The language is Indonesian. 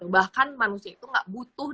bahkan manusia itu nggak butuh